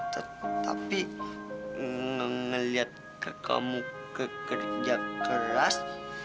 tetapi melihat kamu kerja keras